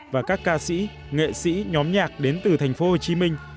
và các ca sĩ nghệ sĩ nhóm nhạc đến từ thành phố hồ chí minh